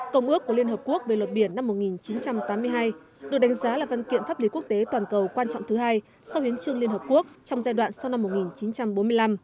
công ước của liên hợp quốc về luật biển năm một nghìn chín trăm tám mươi hai được đánh giá là văn kiện pháp lý quốc tế toàn cầu quan trọng thứ hai sau hiến trương liên hợp quốc trong giai đoạn sau năm một nghìn chín trăm bốn mươi năm